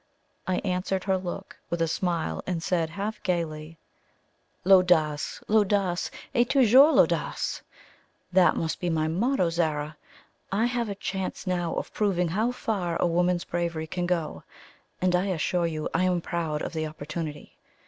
I answered her look with a smile, and said, half gaily: "L'audace, l'audace, et toujours l'audace! That must be my motto, Zara. I have a chance now of proving how far a woman's bravery can go, and I assure you I am proud of the opportunity.